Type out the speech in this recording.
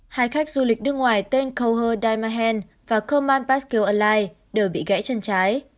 hai khách du lịch đương ngoài tên coulher dymahen và coman pascal alay đều bị gãy chân trái